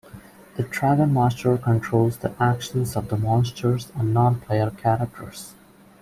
The Dragon Master controls the actions of the monsters and non-player characters.